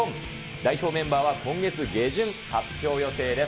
代表メンバーは今月下旬、発表予定です。